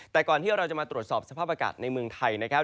แต่ก่อนที่เราจะมาตรวจสอบสภาพอากาศในเมืองไทยนะครับ